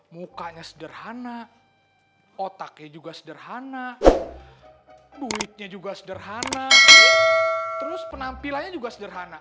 mukanya sederhana otaknya juga sederhana duitnya juga sederhana terus penampilannya juga sederhana